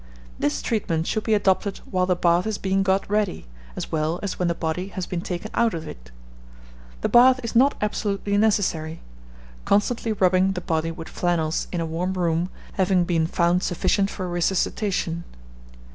This treatment should be adopted while the bath is being got ready, as well as when the body has been taken out of it. The bath is not absolutely necessary; constantly rubbing the body with flannels in a warm room having been found sufficient for resuscitation.